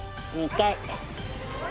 ２回。